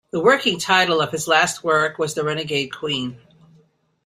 The working title of his last work was "The Renegade Queen".